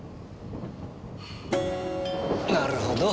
なるほど。